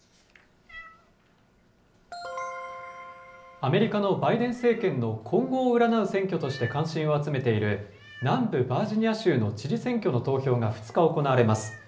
アメリカのバイデン政権の今後を占う選挙として関心を集めている、南部バージニア州の知事選挙の投票が２日行われます。